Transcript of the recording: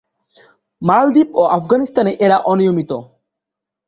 মালদ্বীপ ও আফগানিস্তানে এরা অনিয়মিত।